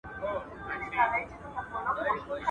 o د خرې دومره شيدې دي، چي د خپل کوټي ئې بس سي.